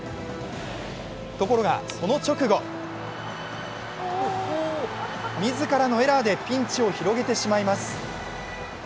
ところがその直後自らのエラーでピンチを広げてしまいます。